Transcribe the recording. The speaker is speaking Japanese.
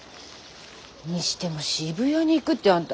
にしても渋谷に行くってあんた。